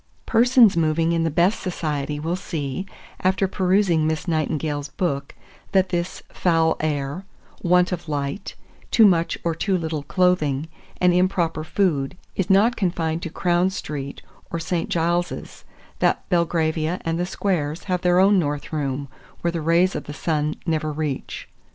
2415. Persons moving in the beat society will see, after perusing Miss Nightingale's book, that this "foul air," "want of light," "too much or too little clothing," and improper food, is not confined to Crown Street or St. Giles's; that Belgravia and the squares have their north room, where the rays of the sun never reach.